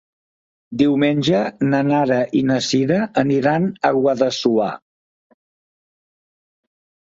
Diumenge na Nara i na Sira aniran a Guadassuar.